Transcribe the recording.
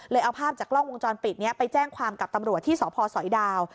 เอาภาพจากกล้องวงจรปิดนี้ไปแจ้งความกับตำรวจที่สพสอยดาว